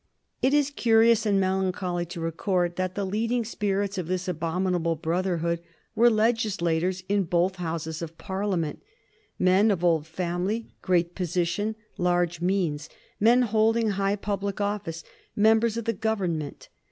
It is curious and melancholy to record that the leading spirits of this abominable brotherhood were legislators in both Houses of Parliament, men of old family, great position, large means, men holding high public office, members of the Government.